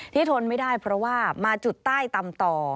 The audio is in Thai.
ทนไม่ได้เพราะว่ามาจุดใต้ตำต่อ